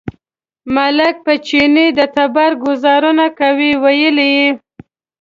ملک په چیني د تبر ګوزار کاوه، ویل یې.